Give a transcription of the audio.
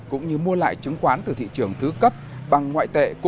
cũng như mua lại chứng khoán từ thị trường thứ cấp bằng ngoại tệ